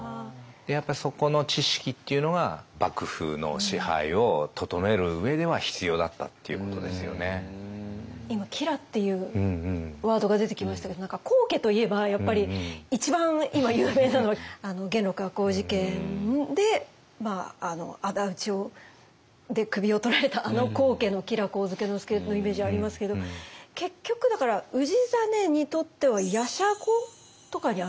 やっぱそこの知識っていうのが今吉良っていうワードが出てきましたけど何か高家といえばやっぱり一番今有名なのは元禄赤穂事件であだ討ちで首をとられたあの高家の吉良上野介のイメージありますけど結局だから氏真にとっては玄孫とかにあたるんですかね？